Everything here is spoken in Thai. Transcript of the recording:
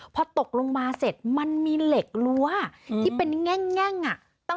พอตกลงมาเสร็จมันมีเหล็กรั้วที่เป็นแง่งอ่ะ